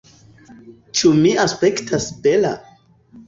Ĉu mi aspektas bela?